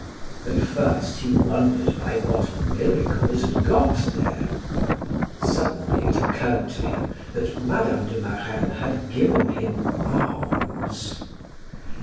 At first he wondered by what miracle it had got there; suddenly it occurred to him that Mme. de Marelle had given him alms!